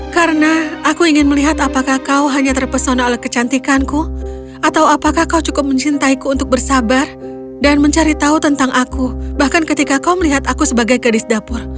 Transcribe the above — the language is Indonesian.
karena aku ingin melihat apakah kau hanya terpesona oleh kecantikanku atau apakah kau cukup mencintaiku untuk bersabar dan mencari tahu tentang aku bahkan ketika kau melihat aku sebagai gadis dapur